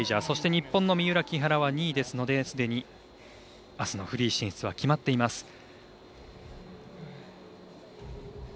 そして、日本の三浦、木原は２位ですのですでに、あすのフリー進出は決まっています。